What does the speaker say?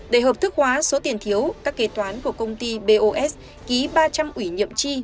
để hợp thức hóa số tiền thiếu các kế toán của công ty bos ký ba trăm linh ủy nhiệm chi